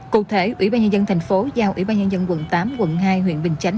cụ thể ủy ban nhân dân thành phố giao ủy ban nhân dân quận tám quận hai huyện bình chánh